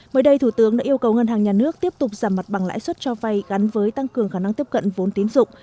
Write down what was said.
mới đây thủ tướng đã yêu cầu ngân hàng nhà nước tiếp tục giảm mặt bằng lãi suất cho vay gắn với tăng cường khả năng tiếp cận vốn tín dụng